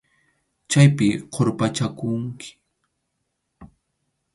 Chaypi qurpachakunki.